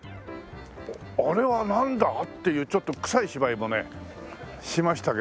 ああれはなんだ？っていうちょっとくさい芝居もねしましたけど。